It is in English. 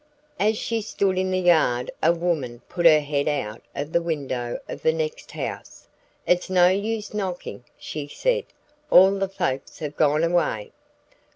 As she stood in the yard a woman put her head out of the window of the next house. "It's no use knocking," she said, "all the folks have gone away."